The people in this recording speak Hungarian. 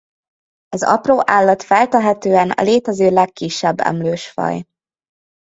Az apró állat feltehetően a létező legkisebb emlősfaj.